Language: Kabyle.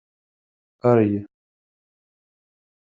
Arry